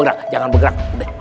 udah jangan bergerak